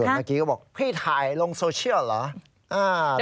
เมื่อกี้ก็บอกพี่ถ่ายลงโซเชียลเหรอ